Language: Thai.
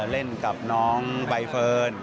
เล่นกับน้องใบเฟิร์น